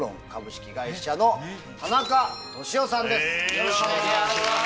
よろしくお願いします。